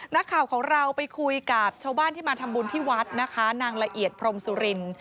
นักข่าวของเราไปคุยกับชาวบ้านที่มาทำบุญที่วัดนะคะนางละเอียดพรมสุริน